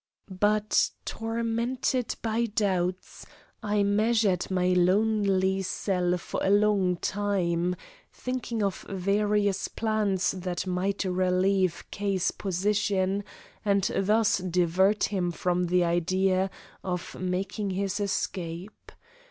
But, tormented by doubts, I measured my lonely cell for a long time, thinking of various plans that might relieve K.'s position and thus divert him from the idea of making his escape.